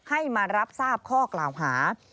ให้มารับทราบข้อกล่าวหา